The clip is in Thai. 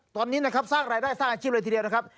ตอนนี้สร้างรายได้สร้างอาชีพอะไรทีเดียวนะครับ